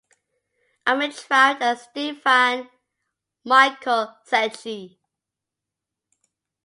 Armintrout and Stephan Michael Sechi.